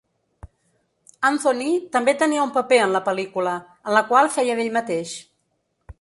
Anthony també tenia un paper en la pel·lícula, en la qual feia d'ell mateix.